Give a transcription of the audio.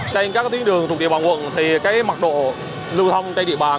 trên các tuyến đường thuộc địa bàn quận mặt độ lưu thông trên địa bàn